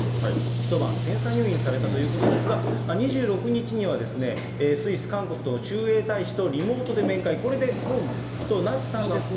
一晩検査入院されたということですが、２６日にはスイス、韓国との駐英大使とリモートで面会、これで公務復帰となったんですが。